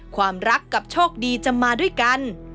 ความรักกับโชคดีจะมาด้วยกัน